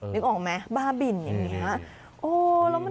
นึกออกไหมบ้าบินอย่างนี้